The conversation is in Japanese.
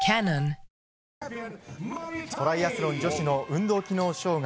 トライアスロン女子の運動機能障害。